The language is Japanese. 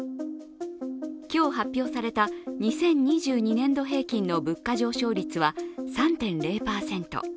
今日発表された２０２２年度平均の物価上昇率は３．０％。